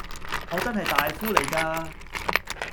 我真係大夫嚟㗎